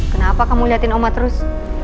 kenapa kamu liatin oma terus